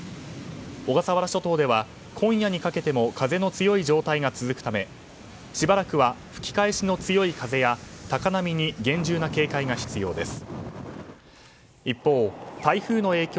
小笠原諸島では今夜にかけても風の強い状態が続くためしばらくは吹き返しの強い風や高波に厳重な警戒が必要です。